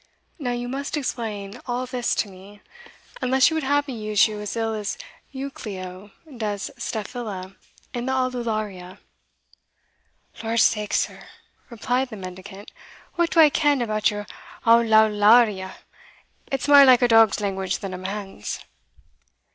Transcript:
Now you must explain all this to me, unless you would have me use you as ill as Euclio does Staphyla in the Aulularia." "Lordsake, sir," replied the mendicant, "what do I ken about your Howlowlaria? it's mair like a dog's language than a man's."